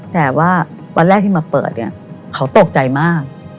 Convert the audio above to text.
แต่ว่าวันแรกที่มาเปิดเนี่ยเขาตกใจมาก